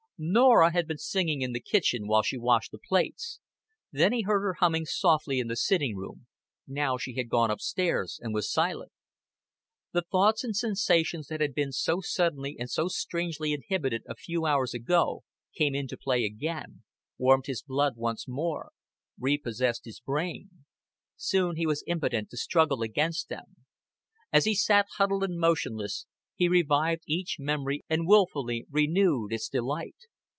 Norah had been singing in the kitchen while she washed the plates; then he had heard her humming softly in the sitting room; now she had gone up stairs and was silent. The thoughts and sensations that had been suddenly and strangely inhibited a few hours ago came into play again, warmed his blood once more, repossessed his brain. Soon he was impotent to struggle against them. As he sat huddled and motionless, he revived each memory and wilfully renewed its delight.